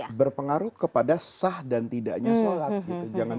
apakah pemirsa tidak mengandung